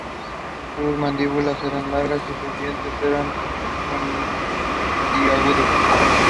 Texas Republicans experienced increased voter support in the years that followed.